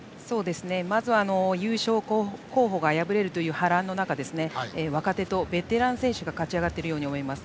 まずは優勝候補が敗れるという波乱の中若手とベテラン選手が勝ち上がっているように思います。